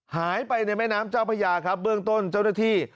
หายไปในแม่น้ำเจ้าพญาครับเบื้องต้นเจ้าหน้าที่